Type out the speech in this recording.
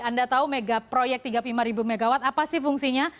anda tahu megaproyek tiga puluh lima ribu megawatt apa sih fungsinya